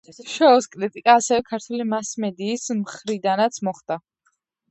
შოუს კრიტიკა ასევე ქართული მასმედიის მხრიდანაც მოხდა.